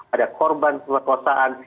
ada korban perkosaan